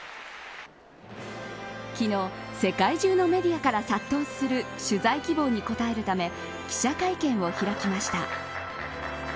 昨日、世界中のメディアから殺到する取材希望に応えるため記者会見を開きました。